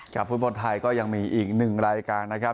กับภูมิพลไทยก็ยังมีอีกหนึ่งรายการนะครับ